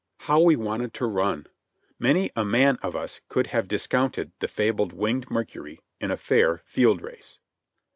How we wanted to run ! Many a man of us could have dis counted the fabled winged Mercury in a fair field race.